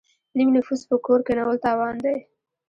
نیم نفوس په کور کینول تاوان دی.